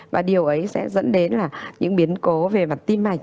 và điều ấy sẽ dẫn đến là những biến cố về mặt tim mạch